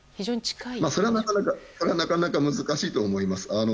それはなかなか難しいと思います。